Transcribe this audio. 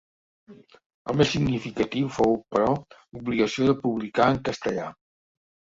El més significatiu fou, però, l'obligació de publicar en castellà.